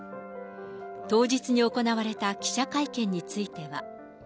当日に行われた記者会見については。